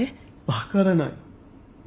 分からない。